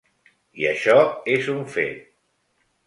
I això és un fet.